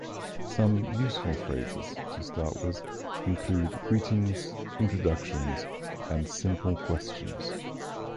Some useful phrases to start with include greetings, introductions, and simple questions.